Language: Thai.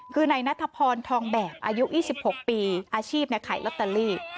คือในนัทธพรทองแบบอายุอีสิบหกปีอาชีพในขายล็อตเตอรี่